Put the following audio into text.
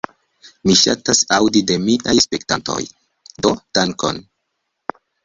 Mi ŝatas aŭdi de miaj spektantoj. Do dankon.